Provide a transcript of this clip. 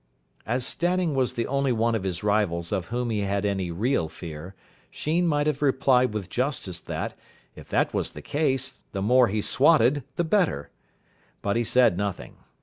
As Stanning was the only one of his rivals of whom he had any real fear, Sheen might have replied with justice that, if that was the case, the more he swotted the better. But he said nothing.